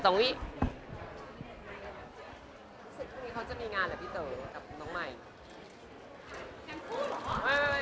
พรุ่งนี้เขาจะมีงานเหรอพี่เต๋อกับน้องใหม่